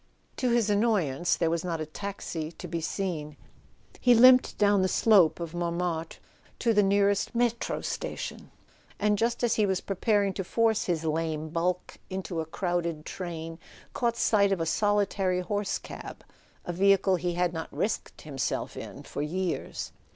To his annoyance there was not a taxi to be seen. He limped down the slope of Montmartre to the nearest in6tro station, and just as he was preparing to force his lame bulk into a crowded train, caught sight of a solitary horse cab: a vehicle he had not risked himself in for years.